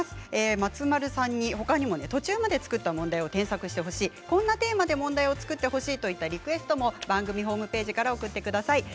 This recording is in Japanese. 松丸さんにほかにも途中まで作った問題を添削してほしいこんなテーマで問題を作ってほしいというリクエストも番組ホームページから送ってください。